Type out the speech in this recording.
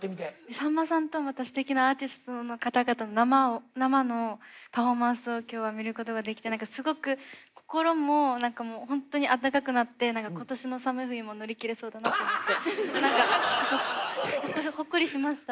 さんまさんとまたすてきなアーティストの方々の生のパフォーマンスを今日は見ることができて何かすごく心も何かもうホントにあったかくなって今年の寒い冬も乗り切れそうだなと思って何かすごくほっこりしました。